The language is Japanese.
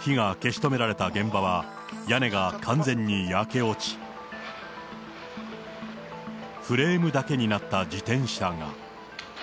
火が消し止められた現場は、屋根が完全に焼け落ち、フレームだけになった自転車が。